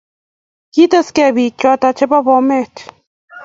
Kikitekis pik chaton che po bomet